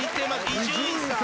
伊集院さん。